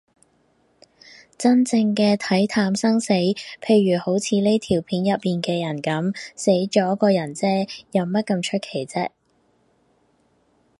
真正嘅睇淡生死，譬如好似呢條片入面嘅人噉，死咗個人嗟，有乜咁出奇啫